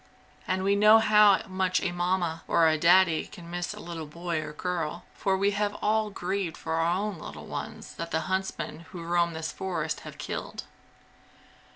And we know how much a Mamma or a Daddy can miss a little boy or girl, for we have all grieved for our own little ones that the huntsmen who roam this forest have killed.